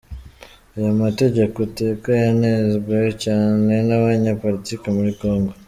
Aya mategeko-teka yanenzwe cyane n'abanyepolitiki muri Kongo.